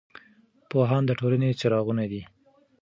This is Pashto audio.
پوهان د ټولنې څراغونه دي.